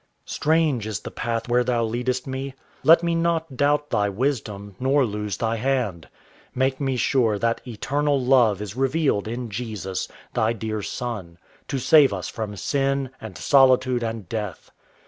Strange is the path where Thou leadest me: Let me not doubt Thy wisdom, nor lose Thy hand. Make me sure that Eternal Love is revealed in Jesus, Thy dear Son, To save us from sin and solitude and death.